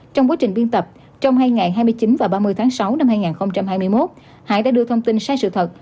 trong quá trình biên tập trong hai ngày hai mươi chín và ba mươi tháng sáu năm hai nghìn hai mươi một hải đã đưa thông tin sai sự thật